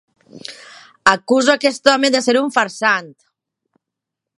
Acuso aquest home de ser un farsant!